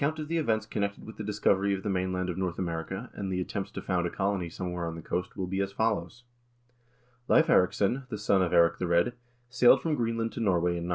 AMERICA DISCOVERED BY THE NORSEMEN 209 of the events connected with the discovery of the mainland of North America, and of the attempts to found a colony somewhere on the coast will be as follows :* Leiv Eiriksson, the son of Eirik the Red, sailed from Greenland to Norway in 999.